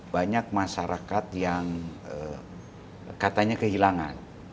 banyak masyarakat yang katanya kehilangan